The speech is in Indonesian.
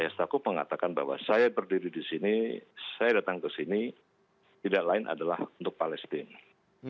setakuf mengatakan bahwa saya berdiri di sini saya datang ke sini tidak lain adalah untuk palestina